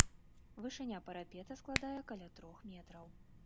Вышыня парапета складае каля трох метраў.